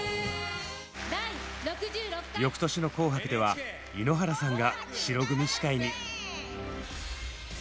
翌年の「紅白」では井ノ原さんが白組司会に！